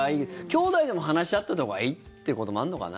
きょうだいでも話し合ったほうがいいってこともあるのかな？